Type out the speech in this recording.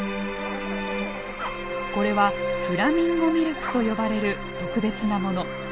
これはフラミンゴミルクと呼ばれる特別なもの。